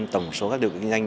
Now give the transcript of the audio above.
tổng số các điều kiện kinh doanh